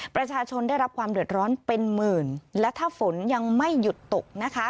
ประชาชนได้รับความเดือดร้อนเป็นหมื่นและถ้าฝนยังไม่หยุดตกนะคะ